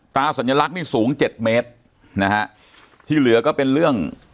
สัญลักษณ์นี่สูงเจ็ดเมตรนะฮะที่เหลือก็เป็นเรื่อง